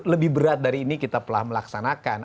lebih berat dari ini kita telah melaksanakan